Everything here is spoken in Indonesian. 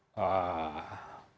pak hugeng datang ke istana